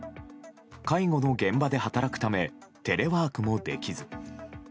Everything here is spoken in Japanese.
介護の現場で働くためテレワークもできず。